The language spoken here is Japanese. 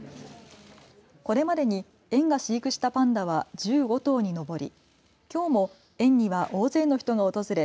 これまでに園が飼育したパンダは１５頭に上りきょうも園には、大勢の人が訪れ